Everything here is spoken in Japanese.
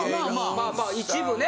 まあまあ一部ね。